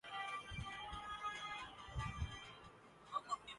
Pakistan super league کا final ٹیموں کو خوش مدید کہنے کے لئے شہر کی سڑکوں کوسجا دیا گیا